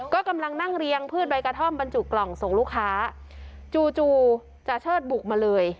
ก็กำลังนั่งเรียงพืชใบกระท่อมบรรจุกล่องส่งลูกค้าจู่จู่จาเชิดบุกมาเลย